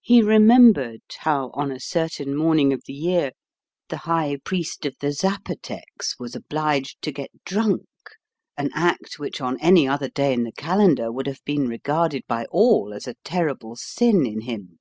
He remembered how on a certain morning of the year the High Priest of the Zapotecs was obliged to get drunk, an act which on any other day in the calendar would have been regarded by all as a terrible sin in him.